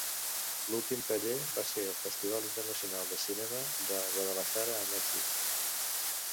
L'últim taller va ser al Festival Internacional de Cinema de Guadalajara a Mèxic.